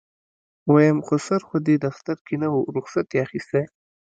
ويم خسر خو دې دفتر کې نه و رخصت يې اخېستی.